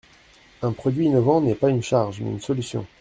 Un produit innovant n’est pas une charge, mais une solution.